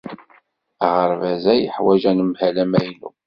Aɣerbaz-a yeḥwaj anemhal amaynu.